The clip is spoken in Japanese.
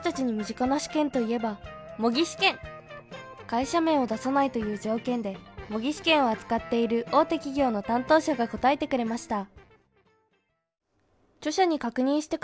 会社名を出さないという条件で模擬試験を扱っている大手企業の担当者が答えてくれました